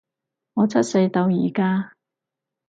我出世到而家